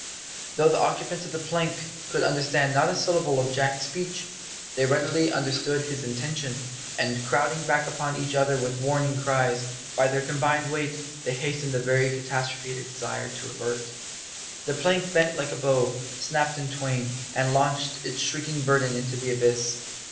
Though the occupants of the plank could understand not a syllable of Jack's speech, they readily understood his intention; and crowding back upon each other with warning cries, by their combined weight they hastened the very catastrophe they desired to avert. The plank bent like a bow, snapped in twain, and launched its shrieking burden into the abyss.